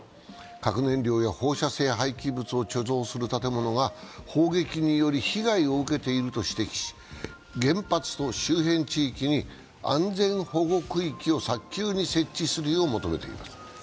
核燃料や放射性廃棄物を貯蔵する建物が砲撃により被害を受けていると指摘し、原発と周辺地域に安全保護区域を早急に設置するよう求めています。